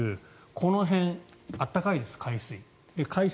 この辺、暖かいです、海水。